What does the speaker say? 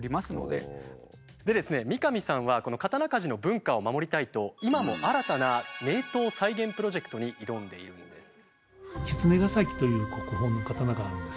でですね三上さんはこの刀鍛冶の文化を守りたいと今も新たな名刀再現プロジェクトに挑んでいるんです。